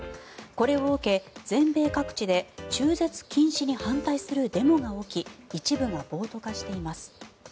これを受け、全米各地で中絶禁止に反対するデモが起き一部が暴徒化しています。